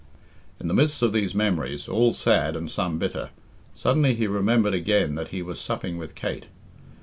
In the midst of these memories, all sad and some bitter, suddenly he remembered again that he was supping with Kate.